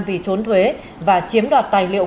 vì trốn thuế và chiếm đoạt tài liệu